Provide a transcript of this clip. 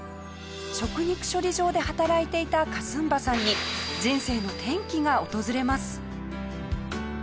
食肉処理場で働いていたカスンバさんに人生の転機が訪れます。